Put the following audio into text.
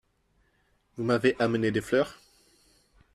Vous m'avez amené des fleurs ?